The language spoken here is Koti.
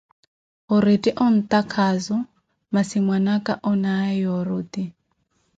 Orette ontakhazo, masi mwana aka onaawe oruti!